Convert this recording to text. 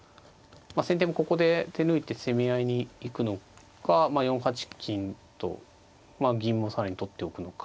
先手もここで手抜いて攻め合いに行くのか４八金と銀も更に取っておくのか。